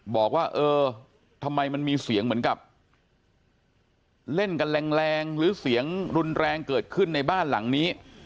บอกว่าเออทำไมมันมีเสียงเหมือนกับเล่นกันแรงหรือเสียงรุนแรงเกิดขึ้นในบ้านหลังนี้